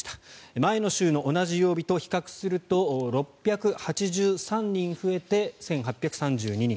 前の週の同じ曜日と比較すると６８３人増えて１８３２人。